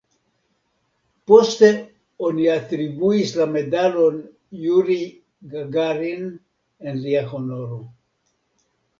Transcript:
Poste oni atribuis la Medalon Jurij Gagarin en lia honoro.